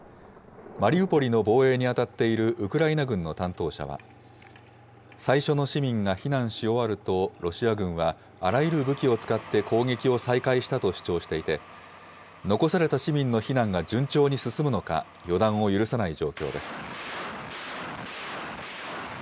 マリウポリの防衛に当たっているウクライナ軍の担当者は、最初の市民が避難し終わると、ロシア軍はあらゆる武器を使って攻撃を再開したと主張していて、残された市民の避難が順調に進むのか、予断を許さない状況です。